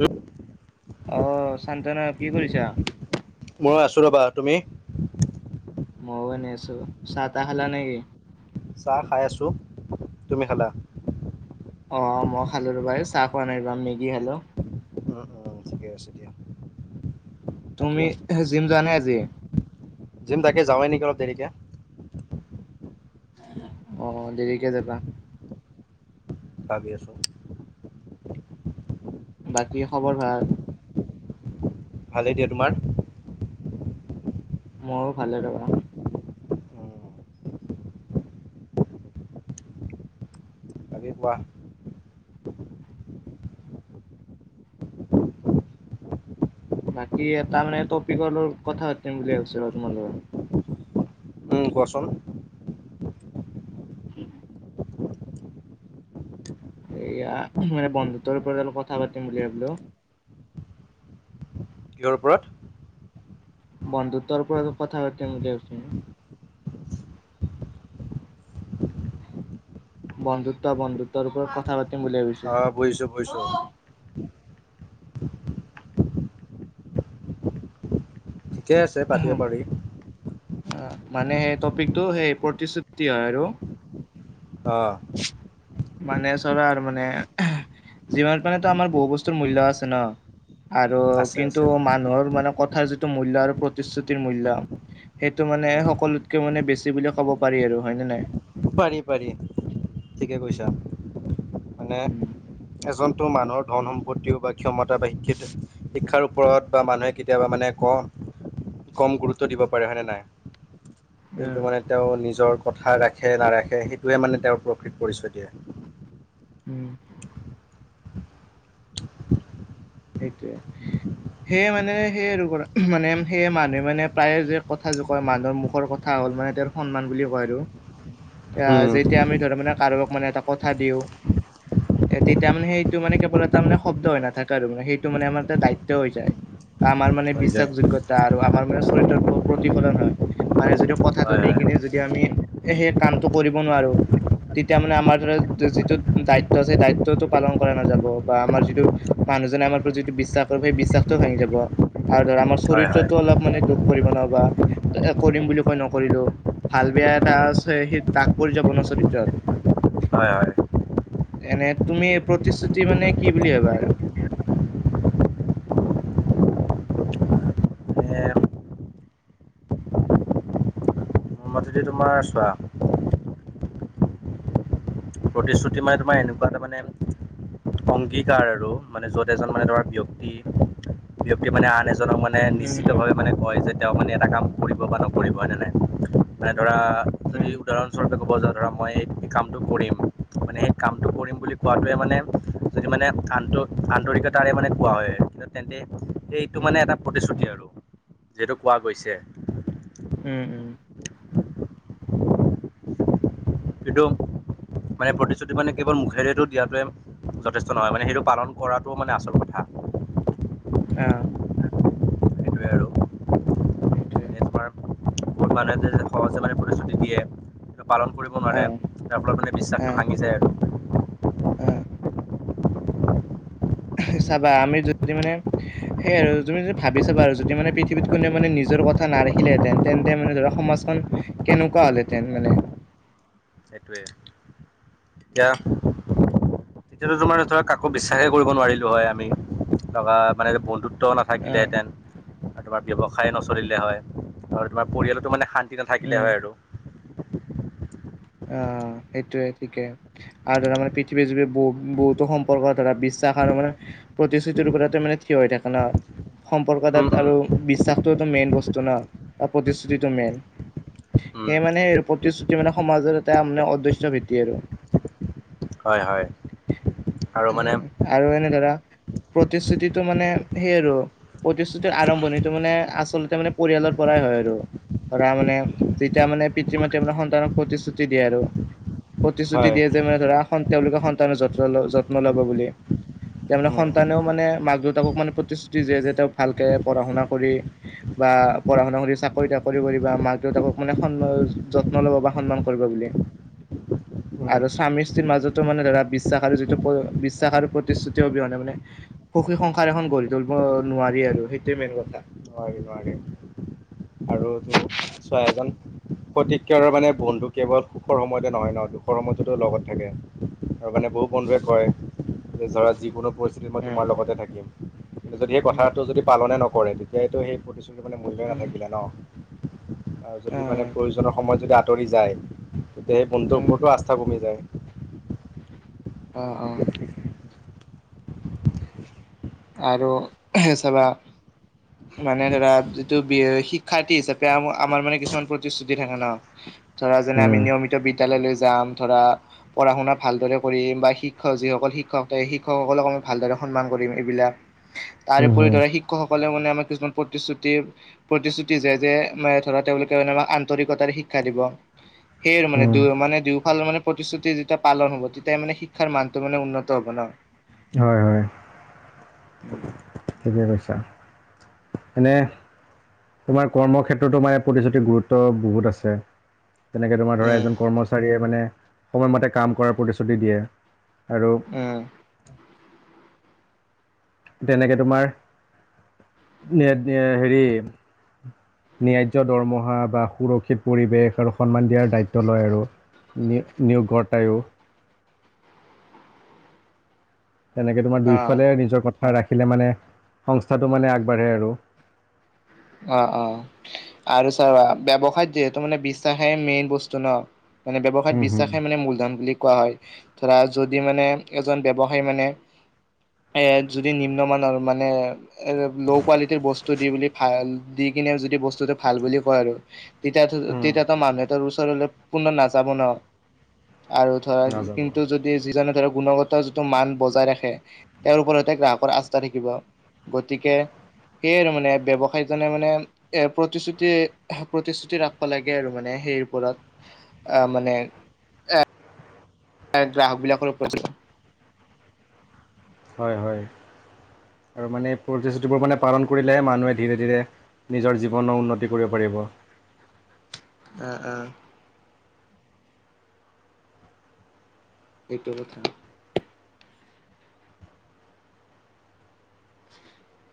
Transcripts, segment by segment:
উম। আহ চান্তনা কি কৰিছা? মই আছোঁ ৰ'বা, তুমি? মই ও এনে আছো চাহ তাহ খালা নেকি? চাহ খাই আছোঁ তুমি খালা। অ মই খালো ৰ'বাই চাহ খোৱা নাই ৰ মেগী খালো। অঁ ঠিকে আছে দিয়া- বাকী তুমি জিম যোৱা নাই আজি- জিম তাকে যাৱাই নেকি অলপ দেৰিকে- আহ দেৰিকে যাবা। ভাবি আছো। বাকী খবৰ ভাল- ভালেই দিয়া তোমাৰ? ময়ো ভালে ৰাবা। উম, বাকি কোৱা। বাকী এটা মানে টপিকৰ কথা পাতিম বুলি ভাবিছিলো তোমালোকে। কোৱাচোন। [unintelligible] এয়া মানে বন্ধুত্বৰ ওপৰত অলপ কথা পাতিম বুলি ভাবিলো- কিহৰ ওপৰত? বন্ধুত্বৰ ওপৰত কথা পাতিম বুলি ভাবিছিলোঁ। বন্ধুত্ব বন্ধুত্বৰ ওপৰত কথা- বুলি ভাবিছো। অ বুজিছো বুজিছো। ঠিকে আছে পাতিব পাৰি। অ মানে সেই টপিকটো সেই প্ৰতিশ্ৰুতি হয় আৰু- অ। মানে চব আৰু মানে যিমানত মানে তো আমাৰ বহু বস্তুৰ মূল্য আছে ন। আৰু আছে আছে কিন্তু মানুহৰ মানে কথাৰ যিটো মূল্য় আৰু প্ৰতিশ্ৰুতিৰ মূল্য় সেইটো মানে উম, সকলোতকে মানে বেছি বুলি ক'ব পাৰি আৰু হয় নে নাই? পাৰি পাৰি ঠিকে কৈছা। মানে উম। এজনতো মানুহৰ ধন সম্প প্ৰতিত্তিও বা ক্ষমতা বা শিক্ষিত শিক্ষাৰ ওপৰত বা মানুহে কেতিয়াবা মানে কওঁ কম গুৰুত্ব দিব পাৰে হয়নে নাই? কিন্তু উম, মানে তেওঁ নিজৰ কথা ৰাখি ৰাখে-নাৰাখে সেইটোৱে মানে তেওঁৰ প্ৰকৃত পৰিচয় দিয়ে। উম', সেইটোৱে সেয়ে মানে সেই ৰোগ মানে সেয়ে মানুহে মানে প্ৰায়ে যে কথা যোখে কয় মানুহৰ মুখৰ কথা হ'ল মানে তেওঁৰ সন্মান বুলি কয় আৰু। এ উম, যেতিয়া আমি ধৰা মানে কাৰোবাক মানে এটা কথা দিওঁ। এ তেতিয়া মানে সেইটো মানে কেৱল এটা মানে শব্দ হৈ নাথাকে আৰু মানে সেইটো মানে আমাৰ এটা দায়িত্ব হৈ যায়। আমাৰ মানে হৈ যায়। বিশ্বাসযোগ্যয়তা আৰু আমাৰ মানে চৰিত্ৰৰ প্ৰতিফলন হয় মানে যদি কথাটো হয় দি হয়, কিনে যদি আমি সেই কামটো কৰিব নোৱাৰো তেতিয়া মানে আমাৰ ধৰা যিটো দায়িত্ব আছে, দায়িত্বটো পালন কৰা নাযাব বা আমাৰ যিটো মানুহজনে আমাৰ যিটো বিশ্বাস কৰে সেই বিশ্বাসতো ভাঙি যাব আৰু ধৰ মোৰ হয় হয়। চৰিত্ৰতো অলপ মানে দুখ পৰি ন। কৰিম বুলি কৈ নকৰিলো, ভাল-বেয়া এটা উম। আছে সেই দাগ পৰি যাব ন চৰিত্ৰত। হয়', হয়', এনে তুমি প্ৰতিশ্ৰুতি মানে কি বুলি ভাবা আৰু? মানে সেইটো তোমাৰ চোৱা প্ৰতিশ্ৰুতি মানে তোমাৰ এনেকুৱা তাৰ মানে অংগীকাৰ আৰু মানে য'ত এজন মানে ধৰা ব্যয়ক্তি, ব্যয়ক্তি মানে আন জনক মানে উম, উম, নিশ্চিতভাৱে মানে কয় যে তেওঁ মানে এটা কাম কৰিব বা নকৰিব হয়ে নে নাই? ত ধৰা যদি উম, উদাহৰণস্বৰূপে ক'ব যাওঁ ধৰা মই কামটো কৰিম। মানে সেই কামটো কৰিম বুলি কোৱাটোোৱে মানে যদি মানে আন্ত আন্তৰিকতাৰে মানে কোৱা হয় কিন্তু তেন্তে এইটো মানে উম। এটা প্ৰতিশ্ৰুতি উম, আৰু যিহেতু পোৱা গৈছে। উম, উম, কিদুম মানে প্ৰতিশ্ৰুতি মানে কেৱল মুখেৰেটো দিয়াটোৱে যথেষ্ট নহয় মানে সেইটো পালন কৰাটোও মানে আচল কথা। আহ', সেইটোৱে আৰু সেইটোৱে। মানে তোমাৰ বহুত মানুহে সহজে মানে প্ৰতিশ্ৰুতি দিয়ে পালন কৰিব নোৱাৰে অ', তাৰ ফলত মানে বিশ্বাসটো ভাঙি যায় আৰু। উম', চাবা আমি যদি মানে সেইয় আৰু তুমি যদি ভাবি চাবা আৰু যদি মানে পৃথিৱীত কোননেও মানে নিজ নিটোৰ কথা নাৰাখিলেহেতেন তেন্তে মানে ধৰা সমাজখন কেনেকুৱা হ'লহেতেন মানে? সেইটোৱেই। এতিয়া তেতিয়াতো তো মানে ধৰা কাকো বিশ্বাসে কৰিব নোৱাৰিলো হয় আমি, ধকা মানে বন্ধুত অ', নাথাকিলেহেতেন আৰু তোমাৰ ব্যৱসায় নচলিলে হয় আৰু তোমাৰ পৰিয়ালটো মানে শান তেনা নেথাকিলে উম, হয় আৰু। অ', সেইটোয়ে ঠিকে আৰু ধৰা মানে পৃথিৱী জুৰি বহুত বহুতো সম্পৰ্ক ধৰা বি বিশ্বাস আৰু মানে প্ৰতিশ্ৰুতিৰ ওপৰত মানে থিয় হৈ থাকে ন সম্পৰ্ক তাত উম উম আৰু বিশ্বাস টোটো মেইন বস্তু ন, প্ৰতিশ্ৰুতিটো মেইন উম সেই মানে প্ৰতিশ্ৰুতি মানে সমাজৰ এটা আম অদৃশ্য ভেটি আৰু। হয় হয় আৰু মানে উ', আৰু এনে ধৰা প্ৰতিশ্ৰুতিটো মানে সেইয় আৰু প্ৰতিশ্ৰুতিৰ আৰম্ভণিটো মানে আচলতে মানে পৰিয়ালৰ পৰা হয় আৰু ধৰা মানে যেতিয়া মানে পিতৃ-মাতৃ মানে সন্তানক প্ৰতিশ্ৰুতি দিয়ে আৰু। প্ৰতিশ্ৰুতি হয় দিয়ে যে মানে ধৰা তেওঁলোকৰ সন্তানে যতন যত্ন ল'ব বুলি। তাৰ মানে উম সন্তানেও মানে মাক দেউতাকক মানে প্ৰতিশ্ৰুতি দিয়ে যে তেওঁক ভালকে পঢ়া শুনা কৰি বা পঢ় শুনা কৰি চাকৰি তাকৰি কৰি মাক দেউতাকক মানে সন্ যত্ন ল'ব বা সন্মান কৰিব বুলি উম আৰু স্বামীস্ত্ৰীৰ মাজতো মানে ধৰা বিশ্বাস আৰু যিটো বিশ্বাস আৰু প্ৰতিশ্ৰুতি অবিহনে মানে সুখী সংসাৰ এখন গঢ়ি তুলিব নোৱাৰি আৰু সেইটোৱে মেইন কথা আৰুটো ছোৱা এজন প্ৰতিকাৰৰ মানে বন্ধু কেৱল সুখৰ সময়তে নহয় ন দুখৰ সময়ততো লগত থাকে আৰু মানে বহু বন্ধুৱে কয় যে ধৰা যিকোনো পৰিস্থিতি মই উম, তোমাৰ লগতে থাকিম কিন্তু যদি সেই উম, কথাটো যদি পালনে নকৰে তেতিয়াটো হেই তুমি মানে মোৰ যাগাত উম, নাথাকিলে ন আৰু যদি মানে অ', প্ৰয়োজনৰ সময়ত যদি আঁতৰি যায় তেতিয়া সেই বন্ধটোৰ উম, ওপৰতো আস্থা কমি যায় অ অঁ আৰু চাবা মানে ধৰা যিটো বি শিক্ষাৰ্থী হিচাপে আমাৰ মানে কিছুমান প্ৰতিশ্ৰুতি থাকে ন ধৰা যেনে আম উম, নিয়মিত বি বিদ্যালয়লৈ যাম ধৰা পঢ়া শুনা ভালদৰে কৰিম বা শিক্ষক যিসকল শিক্ষক শিক্ষকসকলক ভালদৰে সন্মান কৰিম এইবিলাক উম, তাৰপৰি হুম, দৰে শিক্ষক সকলে মানে আমাৰ কিছুমান প্ৰতিশ্ৰুতি প্ৰতিশ্ৰুতি যায় যে ম ধৰা তেওঁলোকে মানে আমাক আন্তৰিকতাৰে শিক্ষা দিব সেইয় আৰু মানে উম, মানে ল মানে প্ৰতিশ্ৰুতি যেতিয়া পালন হ'ব তেতিাই মানে শিক্ষাৰ মানটো মানে উন্নত হ'ব ন হয় হয় উম ঠিকে কৈছা এনে তোমাৰ কৰ্ম ক্ষেত্ৰতো মনে প্ৰতিশ্ৰুতি গুৰুত্ব বহুত আছে তেনেকে তোমাৰ ধৰা এজন কৰ্মচাৰীয়ে মানে সময়মতে কাম কৰাৰ প্ৰতিশ্ৰুতি দিয়ে আৰু উম, তেনেকে তোমাৰ হেৰি ন্যয্য দৰমহা বা সুৰক্ষিত পৰিৱেশ আৰু সন্মান দিয়াৰ দায়িত্ব লয় আৰু নি নিউ ঘটাইও তেনেকে তোমাৰ অ', দুইফালে নিজৰ কথা ৰাখিলে মানে সংস্থাটো মানে আগবাঢ়ে আৰু অ অ আৰু চাবা ব্যৱসায়ত যিহেতু মানে বিশ্বাসে মেইন বস্তু ন মানে ব্যৱসায়ত বিশ্বাসে উম, মানে মূলধন বুলি কোৱা হয় ধৰা যদি মানে এজন ব্যৱসায়ী মানে এ যদি নিম্নমানৰ মানে এ ল কোৱালিটিৰ বস্তু দি বুলি ভাল দি কিনে যদি বস্তুতটো ভাল বুলি কয় আৰু তেতিয়া তেতিয়াতো মানুহে ওচৰলৈ পুণ নাযাব ন আৰু ধৰা নাযাব কিন্তু যদি যিজনে ধৰক গুণগত যিটো মান বজাই ৰাখে তেওঁৰ ওপৰত সৈতে গ্ৰাহকৰ আস্থা থাকিব গতিকে সেইয় আৰু মানে ব্যয়ৱসায় ভাইজনে মানে এৰ প্ৰতিশ্ৰুতি প্ৰতিশ্ৰুতি ৰাখিব লাগে আৰু মানে সেই ওপৰত আহ মানে আহ ত গ্ৰাহকবিলাকৰ উপযজন হয় হয় আৰু মানে প্ৰতিশ্ৰুতিবোৰ মানে পালন কৰিলেহে মানুহে ধীৰে ধীৰে নিজৰ জীৱনৰ উন্নতি কৰিব পাৰিব বোৱা আহ আহ এইটো কথা [inaudible]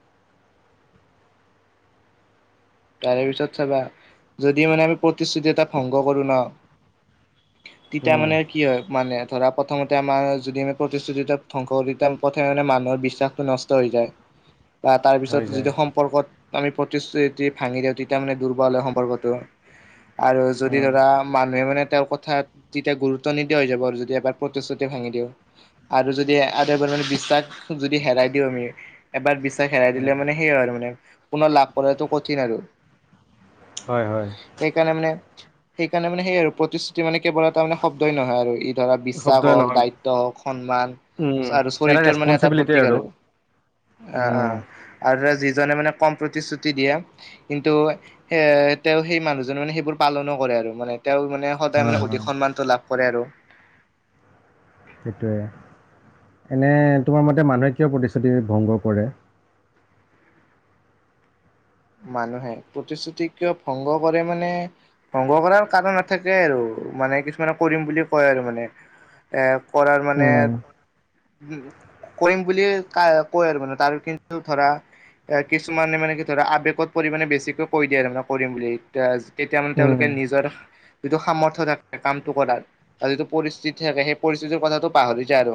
তাৰে পিছত চাবা যদি মানে আমি প্ৰতিশ্ৰুতি এটা ভংগ কৰো ন [inaudible] তেতিয়া উম, মানে কি হয় মানে ধৰা প্ৰথমতে আমাৰ যদি আমি প্ৰতিশ্ৰুতি ধ্বংসতিয়া প্ৰথমে মে মান বিশ্বাসটো নষ্ট হৈ যায় বা তাৰপিছত হৈ যায় যিটো সম্পৰ্কত ভাঙি দিওঁ তেতিয়া মানে দুৰ্বল হয় সম্পৰ্কতটো আৰু যদি উম, ধৰা মানুহে মানে তেওঁ কথাত তেতিয়া গুৰুত্ব নিদিয়া হৈ যাব আৰু যদি এবাৰ প্ৰতিশ্ৰুতি ভাঙি দিওঁ আৰু যদি আৰুে বিশ্বাস যদি হেৰাই দিওঁ আমি এবাৰ বিশ্বাস হেৰাই দিলে উম, মানে সেইয় আৰু মানে পুনৰ লাভ কৰাটো কঠিন আৰু হয় হয় সেইকাৰণে মানে সেইকাৰণে মানে সেইয় আৰু প্ৰতিশ্ৰুতি মানে কেৱল এটা মানে শব্দই নহয় আৰু ই ধৰা বিশ্বাস শব্দই হওক নহয় দায়িত্ব হওক সন্মান উম, আৰু এটা চৰিতৰ মানে এটা ৰেচপনচিবিলিটি প্ৰতীক আৰু অ অ উম, আৰু যিজনে মানে কম প্ৰতিশ্ৰুতি দিয়ে কিন্তু স তেওঁ সেই মানুহজনে মানে সেইবোৰ পালনো কৰে আৰু মানে তেওঁ মানে সদায় মানে হয় অধিক হয় সন্মানটো লাভ কৰে আৰু সেইটোৱে এনে তোমাৰ মতে মানুহে কিয় প্ৰতিশ্ৰুতি ভংগ কৰে মানুহে প্ৰতিশ্ৰুতি কিয় ভংগ কৰে মানে ভংগ কৰাৰ কাৰণ নাথাকে আৰু মানে কিছুমানে কৰিম বুলি কয় আৰু মানে এ কৰাৰ মানে উম, উ কৰিম বুলিুলিয় ক কয় আৰু মানে তাৰ কিন্তু ধৰা এ কিছুমানে মান কি ধৰা বেগত পৰিমাণে বেছিকৈ কৈ দিয়ে আৰু মানে কৰিম বুলি এতিয়া তেতিয়া মানে উম, তেওঁলোকে নিজৰ যিটো সামৰ্থয় থাকে কামটো কৰাত আৰু যিটো পৰিস্থিতি থাকে সেই পৰিস্থিতিৰ কথাটো পাহৰি যায় আৰু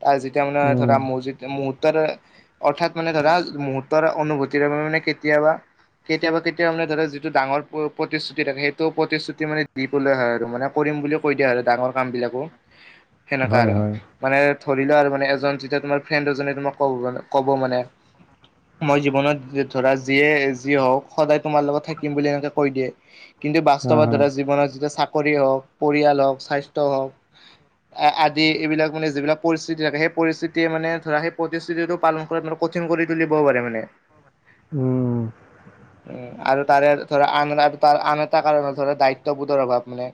তাৰ যেতিয়া মানে উম, ধৰা মজি মুহুৰৰ্তৰ অৰ্থাৎ মানে ধৰা মুহুৰৰ্তৰ অনুভূতিৰ বাবে মানে কেতিয়াবা কেতিয়াবা কেতিয়াানে ধ যিটো ডাঙৰ প্ৰতিশ্ৰুতি থাকে সেইটো প্ৰতিশ্ৰুতি মানে দিবলৈ হয় আৰু মানে বুলি কৈ দিয়া আৰু ডাঙৰ কাম বিলাকো সেনেককা হয় আৰু হয় মানে ধৰি লোৱা আৰু মানে এজন যেতিয়া তোমাৰ ফ্ৰেণ্ড এজনে তোমাক ক কব মানে মই জীৱনত ধৰা যিয়ে যি হওঁক সদায় তোমাৰ লগত থাকিম বুলি এনেকে কৈ দিয়ে কিন্তু হা বাস্তৱৰ হা দাৰা জীৱনত যি চাকৰি হওক পৰিয়াল হওক স্বাস্থ্য হওক আদি এইবিলাক মানে যিবিলাক পৰিস্থিতি থাকে সেই পৰিস্থিতিয়ে মানে ধৰা সেই প্ৰতিশস্থিতিটো পালন কৰা কিং কৰি তুলিবও পাৰে মানে উম [inaudible] উ আৰু তাৰে ধৰা আন তাৰ আন এটা কাৰণ ধৰা দায়িত্ববোধৰ অভাৱ মানে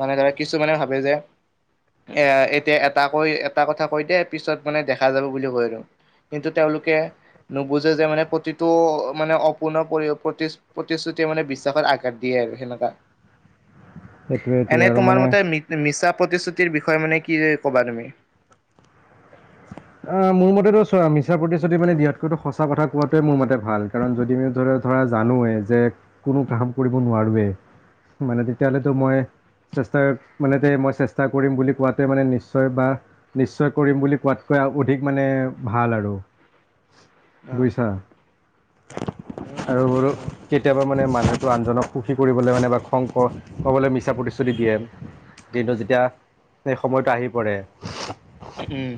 মানে ধৰা কিছুমানে ভাবে যে এ এতিয়া এটা কৈ এটা কথা কৈ দে পিছত মানে দেখা যাব বুলি কৈ আৰু কিন্তু তেওঁলোকে নুবুজে যে মানে প্ৰতি টো মানে অপূৰ্ণ প্ৰতিশ্ৰুতিে মানে বিশ্বাসত আঘাত দিয়ে আৰু সেনেককাা সেইটোৱে সেইটোৱে এনে আৰু তোমাৰ মানে মতে ম মিছা প্ৰতিশ্ৰুতিৰ বিষয়ে মানে কি ক'বা তুমি অ', মোৰ মতেটো চ মিছাৰ প্ৰতি যদি মানে দিয়াতকৈো সঁচা কথা কোৱাটোৱে মোৰ মতে ভাল কাৰণ যদি মি ধ ধৰা জানো যে কোনো কাম কৰিব নোৱাৰোৱে মানে তেতিয়াহ'লেতো মই চেষ্টা মানে মই চেষ্টা কৰিম বুলি কোৱাতে মানে নিশ্চয় বা নিশ্চয় কৰিম বুলি কোৱাতকৈ অ ঠিক মানে ভাল আৰু বুজিছা আৰু বল কেতিয়াবা মানে মানুহ আনজনক সুখী কৰিবলৈ মানে বা খং ক'বলৈ মিছা প্ৰতিশ্ৰুতি দিয়ে কিন্তু যেতিয়া স সময়তটো আহি পৰে উম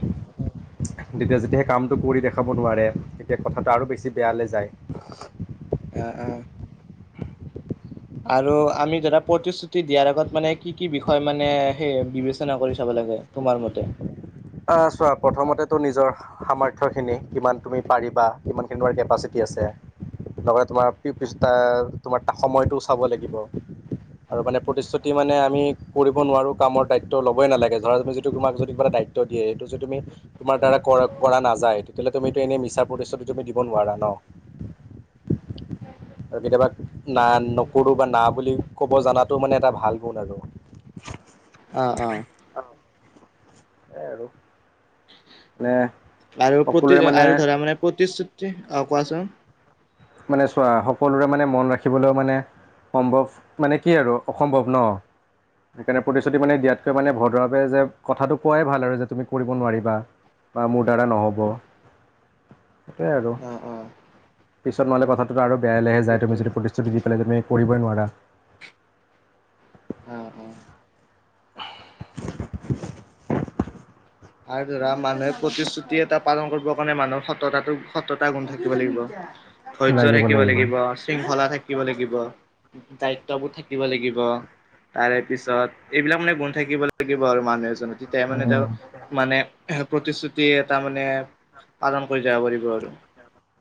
তেতিয়া যেতিয়া সেই কামটো কৰি দেখাব নোৱাৰে তেতিয়া কথাটো আৰু বেছি বেয়ালৈ যায় অঁ অঁ আৰু আমি ধাদৰা প্ৰতিশ্ৰুতি দিয়াৰ আগত মানে কি কি বিষয় মানে সেই বিবেচনা কৰি চাব লাগ লাগে তোমাৰ মতে অ চোৱা প্ৰথমতে তো নিজৰ সামৰ্থয় খিনি কিমান তুমি পাৰিবা কিমানখিনি তমাৰ কেপাচিটি লগতে তোমাৰ তোমাৰ সময়টোও চাব লাগিব আৰু মানে প্ৰতিশ্ৰুতি মানে আমি কৰিব নোৱাৰো কামৰ দায়িত্ব ল'বই নালাগে ধৰাি যিটো তোমাক যদি কিবা দায়িত্ব দিয়ে এইটো যে তুমি তোমাৰ দ্বাৰা কৰা নাযায় তেতিয়াহলেুমো এনে মিছা প্ৰতিদষ্ঠতিটো তুমি দিব নোৱাৰা ন উ আৰু কেতিয়াবা না নকৰো বা না বুলি ক'ব জাতো মানে এটা ভাল গুণ আৰু আহ আহ স আৰু নে আৰু প্ৰতি আৰু ধৰা মানে প্ৰতিশ্ৰুতি আহ কোৱাচোন মানে চোৱা সকলোৰে মানে মন ৰাখিবলৈও মানে সম্ভৱ মানে কি আৰু অসম্ভৱ ন সেইকাৰণে প্ৰতিশ্ৰুতি মানে দিয়াতকৈ মানে ভদ্ৰাৱে যে কথাটো কোৱাই ভাল আৰু যে তুমি কৰিব নোৱাৰিবা বা মোৰ ডাৰাা নহ'ব [inaudible] সেইটোৱাই আৰু অ অ পিছত মালে কথাটোত আৰু বেয়া লোয় সেইটোৱে তুমি যদি প্ৰতিশুতি দি পেলাই তুমি কৰিবই নোৱাৰা আহ আহ [inaudible] আৰু ধৰা মানুহে প্ৰতিশ্ৰুতি এটা পালন কৰিব কাৰণে মানুহৰ সতা সততা গুণ থাকিব লাগিব ধৈৰ্য লাগিব থাকিব লাগিব শৃংখলা থাকিব থাকিব লাগিব দায়িত্ববোৰ থাকিব লাগিব তাৰে পিছত এইবিলাক মানে গুন্ থাকিব লাগিব আৰু মানুহ এজননৰ তেতিয়া মানে লাগিব তেওঁ মানে প্ৰতিশ্ৰুতি এটা মানে পালন কৰি যাব পাৰিব আৰু